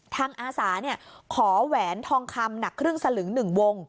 ทางอาสาเนี่ยขอแหวนทองคำหนักครึ่งสลึงหนึ่งวง